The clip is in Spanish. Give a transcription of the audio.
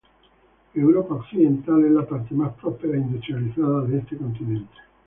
Europa Occidental es la parte más próspera e industrializada de este continente.